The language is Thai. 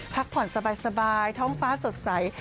พักผ่อนสบายท้องฟ้าสดใส